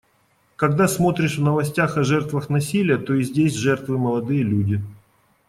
Когда смотришь в новостях о жертвах насилия, то и здесь жертвы — молодые люди.